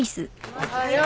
おはよう。